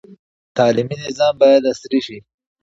تعلیمي نظام باید عصري سي.